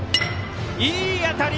いい当たり！